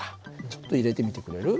ちょっと入れてみてくれる？